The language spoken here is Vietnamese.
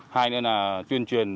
hai nữa là tuyên truyền